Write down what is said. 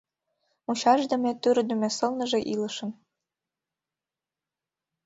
Мучашдыме, тӱрдымӧ сылныже илышын.